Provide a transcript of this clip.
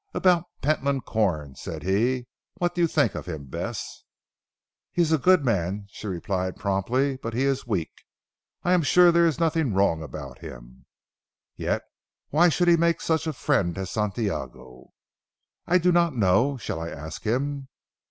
"About Pentland Corn," said he, "what do you think of him Bess?" "He is a good man," she replied promptly, "but he is weak. I am sure there is nothing wrong about him." "Yet why should he make such a friend of Santiago?" "I do not know. Shall I ask him?"